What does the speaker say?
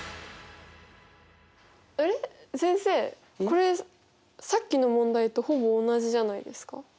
これさっきの問題とほぼ同じじゃないですか？